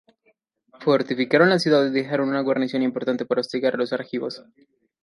Fortificaron la ciudad y dejaron una guarnición importante para hostigar a los argivos.